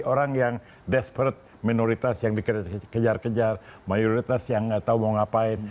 orang yang desperate minoritas yang dikejar kejar mayoritas yang nggak tahu mau ngapain